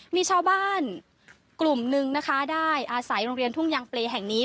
มีชาวบ้านกลุ่มนึงนะคะได้อาศัยโรงเรียนทุ่งยางเปรย์แห่งนี้